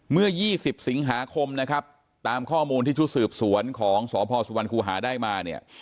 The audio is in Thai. เมื่อ๒๐สิงหาคมนะครับตามข้อมูลที่ชุดสืบสวนของสพสุวรรคูหาได้มาเนี่ย